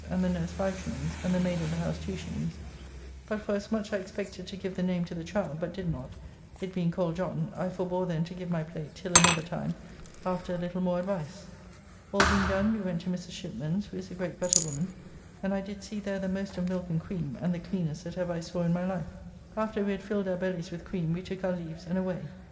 and the nurse 5s. and the maid of the house 2s. But for as much I expected to give the name to the child, but did not (it being called John), I forbore then to give my plate till another time after a little more advice. All being done, we went to Mrs. Shipman's, who is a great butter woman, and I did see there the most of milk and cream, and the cleanest that ever I saw in my life. After we had filled our bellies with cream, we took our leaves and away.